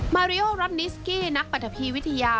มาริโอรัตนิสกี้นักปฏิพิวิทยา